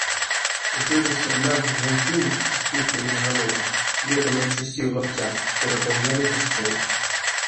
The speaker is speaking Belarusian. У шэрых сярмягах жанчыны, з хусткамі на галовах, летам найчасцей у лапцях, перапаўнялі касцёл.